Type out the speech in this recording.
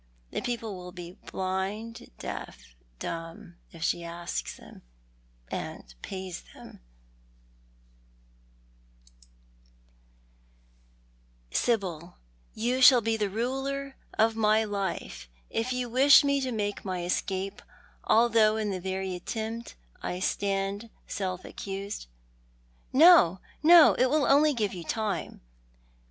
Tiio people will be blind, deaf, dumb, if she asks them — and pays them." 136 TJioic art the Man. " Sibyl, you shall be the ruler of my life. If you ^visb me to make my escape — although iu the very attempt I stand self accused "" No, no, it will only give you time.